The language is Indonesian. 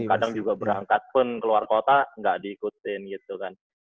kadang juga berangkat pun keluar kota nggak diikutin gitu kan